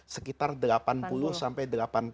sekitar delapan puluh sampai delapan puluh